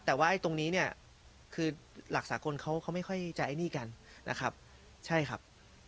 แต่ว่าตรงนี้เนี่ยคือหลักสากลเขาไม่ค่อยจะไอ้หนี้กันนะครับใช่ครับ